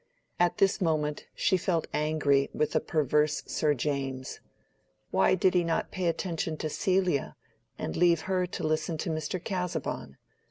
At this moment she felt angry with the perverse Sir James. Why did he not pay attention to Celia, and leave her to listen to Mr. Casaubon?